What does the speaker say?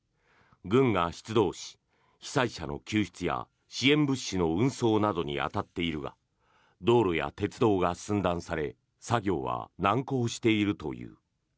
軍が出動し、被災者の救出や支援物資の運送などに当たっているが道路や鉄道が寸断され作業は難航しているという。